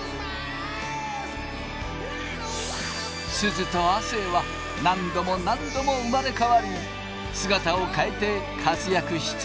すずと亜生は何度も何度も生まれ変わり姿を変えて活躍し続けた。